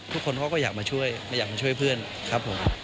ทุกคนเขาก็อยากมาช่วยไม่อยากมาช่วยเพื่อนครับผม